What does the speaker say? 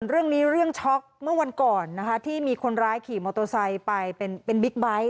เรื่องนี้เรื่องช็อกเมื่อวันก่อนนะคะที่มีคนร้ายขี่มอเตอร์ไซค์ไปเป็นบิ๊กไบท์